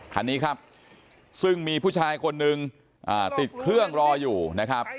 คันนี้ครับซึ่งมีผู้ชายคนหนึ่งติดเครื่องรออยู่นะครับ